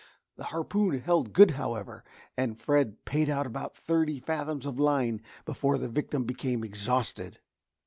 The harpoon held good however, and Fred paid out about thirty fathoms of line before the victim became exhausted.